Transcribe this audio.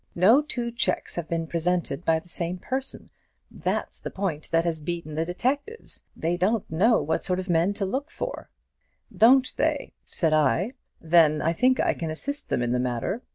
No two cheques have been presented by the same person, that's the point that has beaten the detectives; they don't know what sort of men to look for.' 'Don't they?' said I; 'then I think I can assist them in the matter.'